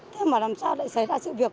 thế mà làm sao lại xảy ra sự việc